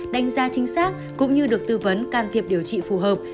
đánh giá chính xác cũng như được tư vấn can thiệp điều trị phù hợp